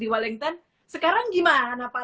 di wellington sekarang gimana pak